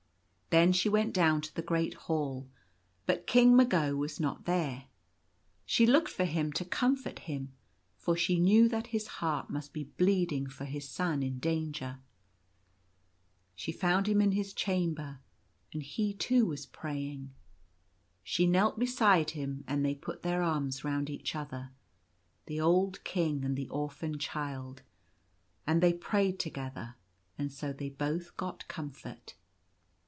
Then she went down to the great hall ; but King Magd was not there. She looked for him to comfort him, for she knew that his heart must be bleeding for his son in danger. She found him in his chamber, and he, too, was pray ing. She knelt beside him, and they put their arms round each other — the old King and the orphan child — and they prayed together ; and so they both got com fort.